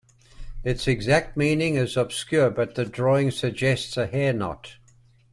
Its exact meaning is obscure but the drawing suggests a hair knot.